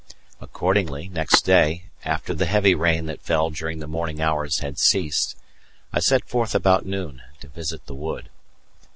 Accordingly, next day, after the heavy rain that fell during the morning hours had ceased, I set forth about noon to visit the wood.